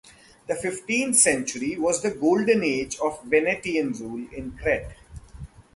The fifteenth century was the golden age of Venetian rule in Crete.